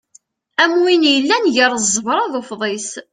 Am win yellan gar ẓẓebra d ufḍis.